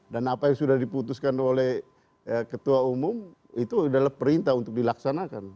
dan apa yang sudah diputuskan oleh ketua umum itu adalah perintah untuk dilaksanakan